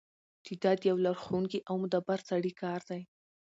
چی دا د یو لارښوونکی او مدبر سړی کار دی.